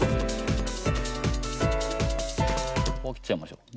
ここ切っちゃいましょう。